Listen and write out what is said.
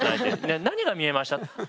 「何が見えました？」